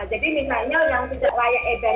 jadi misalnya yang tidak layak edan